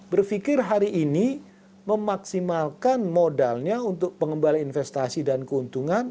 berpikir hari ini memaksimalkan modalnya untuk pengembalian investasi dan keuntungan